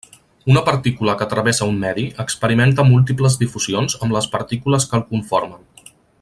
Una partícula que travessa un medi experimenta múltiples difusions amb les partícules que el conformen.